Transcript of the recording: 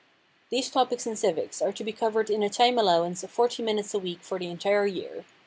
These topics in civics are to be covered in a time allowance of forty minutes a week for the entire year.